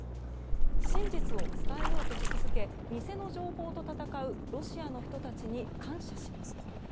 真実を伝えようとし続け偽の情報と戦うロシアの人たちに感謝しますと。